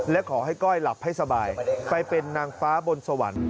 และขอให้ก้อยหลับให้สบายไปเป็นนางฟ้าบนสวรรค์